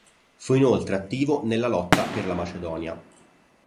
Fu inoltre attivo nella lotta per la Macedonia.